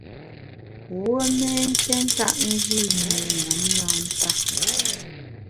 Wuo mé nké ntap nji i mi ṅom na nta.